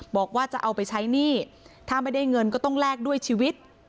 บอกว่าจะเอาไปใช้หนี้ถ้าไม่ได้เงินก็ต้องแลกด้วยชีวิต